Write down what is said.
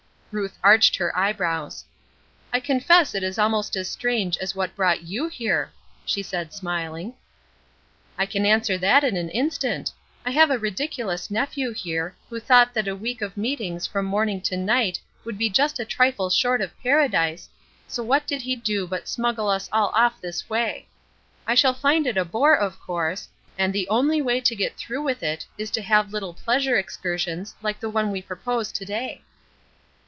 Ruth arched her eyebrows. "I confess it is almost as strange as what brought you here," she said, smiling. "I can answer that in an instant. I have a ridiculous nephew here, who thought that a week of meetings from morning to night would be just a trifle short of paradise, so what did he do but smuggle us all off this way. I shall find it a bore, of course, and the only way to get through with it is to have little pleasure excursions like the one we propose to day."